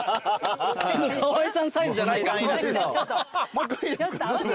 もう一回いいですか？